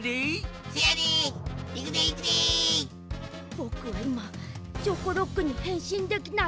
ぼくはいまチョコロックにへんしんできない。